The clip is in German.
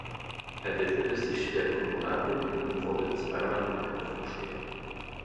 Er widmete sich der Kommunalpolitik und wurde zweimal Gemeindevorsteher.